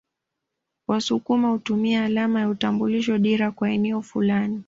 Wasukuma hutumia alama ya utambulisho dira kwa eneo fulani